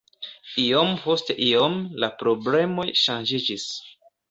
Iom post iom la problemoj ŝanĝiĝis.